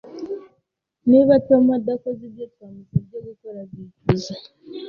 Niba Tom adakoze ibyo twamusabye gukora, azicuza